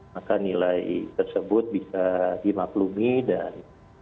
maka nilai tersebut bisa dimaklumi dan